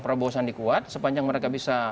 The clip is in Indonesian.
prabowo sandi kuat sepanjang mereka bisa